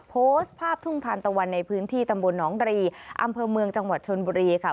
โพสต์ภาพทุ่งทานตะวันในพื้นที่ตำบลหนองรีอำเภอเมืองจังหวัดชนบุรีค่ะ